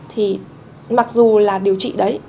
thì mặc dù là điều trị đấy